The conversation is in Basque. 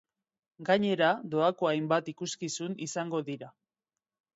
Gainera, doako hainbat ikuskizun izango dira.